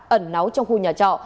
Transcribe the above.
ẩn náu trong khu nhà trọ